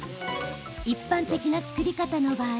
一般的な作り方の場合